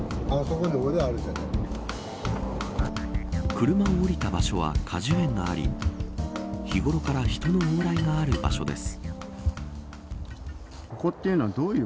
車を降りた場所は果樹園があり日ごろから人の往来がある場所です。